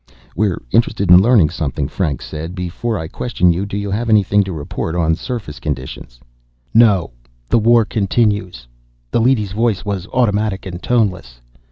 "We are interested in learning something," Franks said. "Before I question you, do you have anything to report on surface conditions?" "No. The war continues." The leady's voice was automatic and toneless.